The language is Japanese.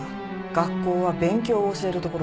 学校は勉強を教える所です。